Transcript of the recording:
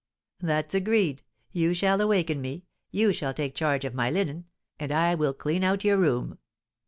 '" "That's agreed; you shall awaken me, you shall take charge of my linen, and I will clean out your room."